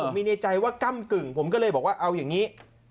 มีในใจว่าก้ำกึ่งผมก็เลยบอกว่าเอาอย่างนี้